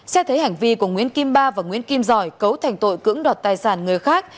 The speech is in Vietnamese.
xét thấy hành vi của nguyễn kim ba và nguyễn kim giỏi cấu thành tội cưỡng đoạt tài sản người khác